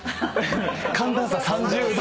寒暖差３０℃。